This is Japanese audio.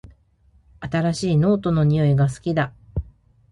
新しいノートの匂いが好きだ